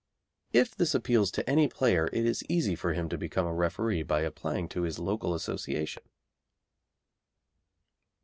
If this appeals to any player it is easy for him to become a referee by applying to his local association.